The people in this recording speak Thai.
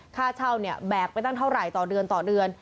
ค่าเช่าเนี่ยแบบไปตั้งเท่าไหร่ต่อเดือน